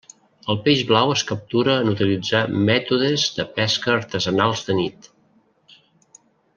El peix blau es captura en utilitzar mètodes de pesca artesanals de nit.